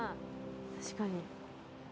確かに。